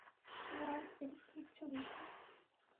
রাজ, এটা তুচ্ছ বিষয়।